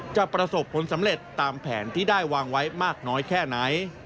จะประสบผลสำเร็จตามแผนที่ได้วางไว้มากน้อยแค่ไหน